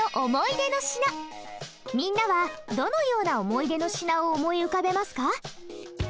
みんなはどのような思い出の品を思い浮かべますか？